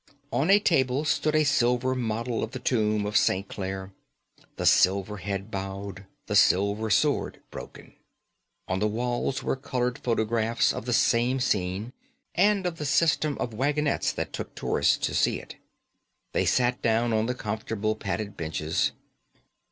On a table stood a silver model of the tomb of St. Clare, the silver head bowed, the silver sword broken. On the walls were coloured photographs of the same scene, and of the system of wagonettes that took tourists to see it. They sat down on the comfortable padded benches.